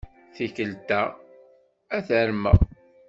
Tikkelt-a, ad t-armeɣ.